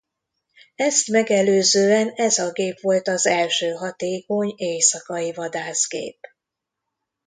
Ezt megelőzően ez a gép volt az első hatékony éjszakai vadászgép.